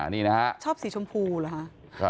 นี่นะฮะชอบสีชมพูเหรอคะ